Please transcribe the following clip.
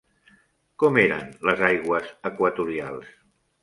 Com eren les aigües equatorials?